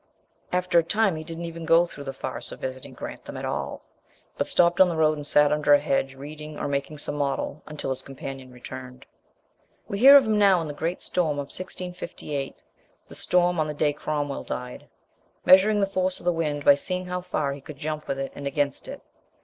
After a time he didn't even go through the farce of visiting Grantham at all; but stopped on the road and sat under a hedge, reading or making some model, until his companion returned. We hear of him now in the great storm of 1658, the storm on the day Cromwell died, measuring the force of the wind by seeing how far he could jump with it and against it.